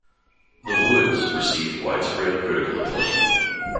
"The Woods" received widespread critical acclaim.